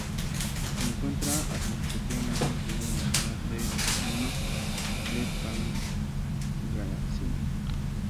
Se encuentra administrativamente incluido en la ciudad de Alaminos de Pangasinán.